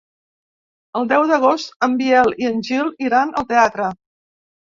El deu d'agost en Biel i en Gil iran al teatre.